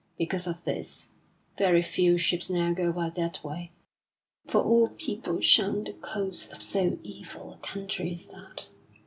Because of this, very few ships now go by that way, for all people shun the coasts of so evil a country as that.